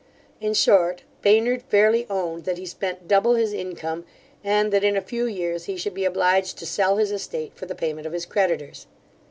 In short, Baynard fairly owned that he spent double his income, and that in a few years he should be obliged to sell his estate for the payment of his creditors.